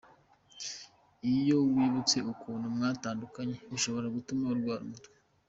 Iyo wibutse ukuntu mwatandukanye bishobora gutuma urwara umutwe.